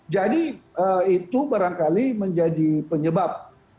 jadi itu barangkali menjadi penyebab